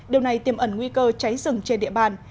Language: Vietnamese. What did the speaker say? điều này tiêm ẩn nguy cơ cháy rừng trên địa bàn